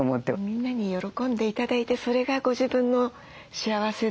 みんなに喜んで頂いてそれがご自分の幸せっていう。